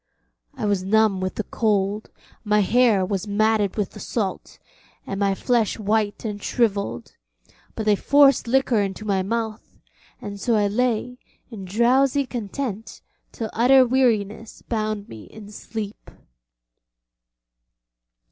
I was numb with the cold, my hair was matted with the salt, and my flesh white and shrivelled, but they forced liquor into my mouth, and so I lay in drowsy content till utter weariness bound me in sleep.